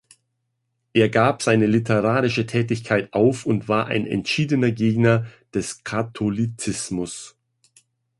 Er gab seine literarische Tätigkeit auf und war ein entschiedener Gegner des Katholizismus.